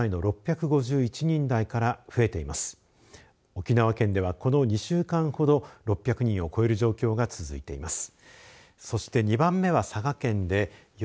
沖縄県では、この２週間ほど６００人を超える状況が続いています。